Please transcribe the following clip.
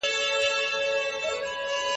حقوقپوهان څنګه نړیوال قانون عملي کوي؟